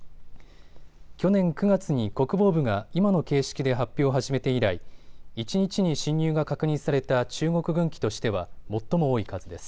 去年９月に国防部が今の形式で発表を始めて以来、一日に進入が確認された中国軍機としては最も多い数です。